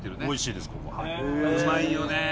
うまいよね！